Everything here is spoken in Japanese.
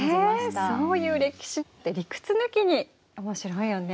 ねえそういう歴史って理屈抜きにおもしろいよね。